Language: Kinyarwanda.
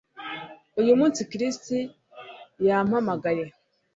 Uyu munsi Chris yarampamagaye